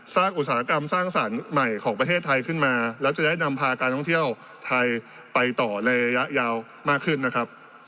อุตสาหกรรมสร้างสรรค์ใหม่ของประเทศไทยขึ้นมาแล้วจะได้นำพาการท่องเที่ยวไทยไปต่อในระยะยาวมากขึ้นนะครับ